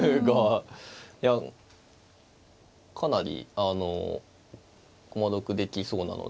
いやかなりあの駒得できそうなので。